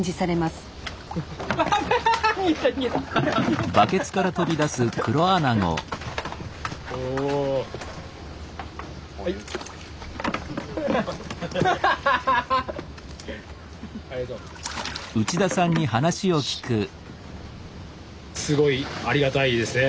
すごいありがたいですね。